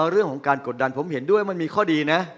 เรื่องของการกดดันผมเห็นด้วยมันมีข้อดีนะ